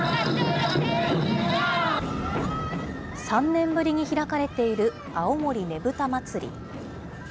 ３年ぶりに開かれている青森ねぶた祭。